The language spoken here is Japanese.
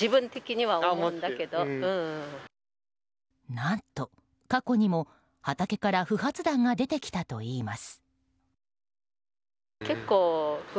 何と、過去にも畑から不発弾が出てきたといいます。